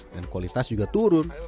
dan kualitas juga turun